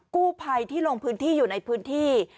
กู้ภัยที่ลงพื้นที่อยู่ในพื้นที่